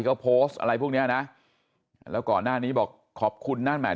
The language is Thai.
เขาโพสต์อะไรพวกเนี้ยนะแล้วก่อนหน้านี้บอกขอบคุณนั่นหมาย